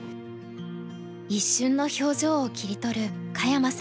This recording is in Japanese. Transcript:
一瞬の表情を切り撮る香山さんの写真。